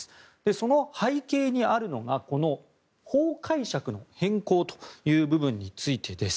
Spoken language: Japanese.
その背景にあるのがこの法解釈の変更という部分についてです。